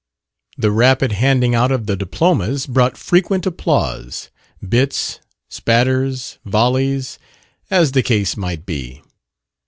The rapid handing out of the diplomas brought frequent applause bits, spatters, volleys, as the case might be.